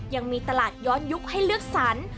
ยังมีตลาดย้อนยุคให้เลือกสรร